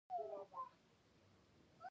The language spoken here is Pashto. سلیمان غر د خلکو ژوند طرز اغېزمنوي.